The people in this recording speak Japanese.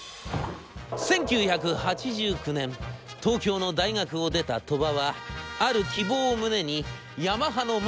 １９８９年東京の大学を出た鳥羽はある希望を胸にヤマハの門をたたきます。